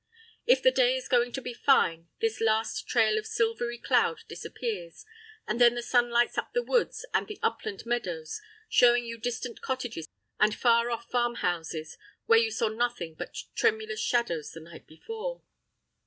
If the day is going to be fine, this last trail of silvery cloud disappears, and then the sun lights up the woods and the upland meadows, showing you distant cottages and far off farmhouses where you saw nothing but tremulous shadows the night before.